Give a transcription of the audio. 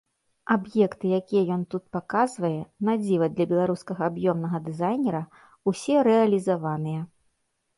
Аб'екты, якія ён тут паказвае, на дзіва для беларускага аб'ёмнага дызайнера, усе рэалізаваныя.